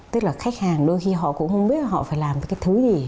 tức là khách hàng đôi khi họ cũng không biết họ phải làm được cái thứ gì